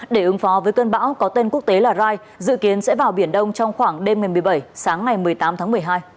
để ứng phó với cơn bão có tên quốc tế là rai dự kiến sẽ vào biển đông trong khoảng đêm ngày một mươi bảy sáng ngày một mươi tám tháng một mươi hai